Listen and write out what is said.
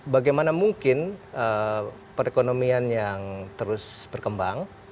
bagaimana mungkin perekonomian yang terus berkembang